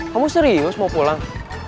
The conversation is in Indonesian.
kamu serius mau pulang